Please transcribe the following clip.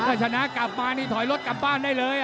ถ้าชนะกลับมานี่ถอยรถกลับบ้านได้เลย